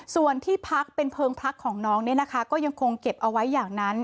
ส่วนที่พักเป็นเพลิงพักของน้องเนี่ยนะคะก็ยังคงเก็บเอาไว้อย่างนั้น